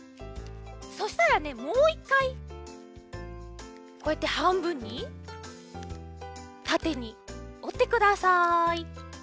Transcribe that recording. そしたらねもう１かいこうやってはんぶんにたてにおってください。